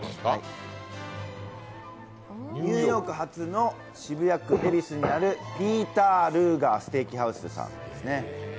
ニューヨーク発の渋谷区恵比寿にあるピーター・ルーガーステーキハウス東京さんですね。